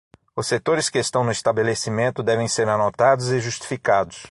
Os setores que estão no estabelecimento devem ser anotados e justificados.